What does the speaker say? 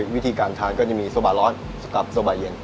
วิธีการทานก็จะมีโซบาร้อนกับโซบาเย็น